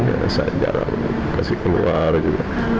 ya saya jarang kasih penuh warga juga